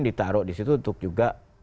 ditaruh disitu untuk juga